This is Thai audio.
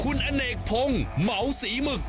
คุณอเนกพงศ์เหมาศรีหมึก